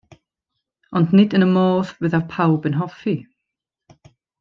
Ond nid yn y modd fyddai pawb yn hoffi.